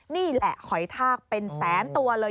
นี่แหละหอยทากเป็นแสนตัวเลย